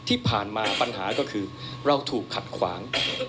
ที่ผ่านมาปัญหาก็คือเราถูกขัดขวาง